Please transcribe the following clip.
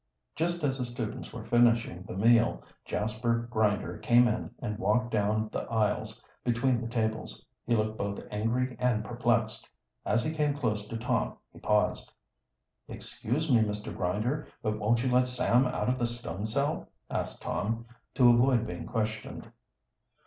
Just as the students were finishing the meal, Jasper Grinder came in and walked down the aisles between the tables. He looked both angry and perplexed. As he came close to Tom he paused. "Excuse me, Mr. Grinder, but won't you let Sam out of the stone cell?" asked Tom, to avoid being questioned.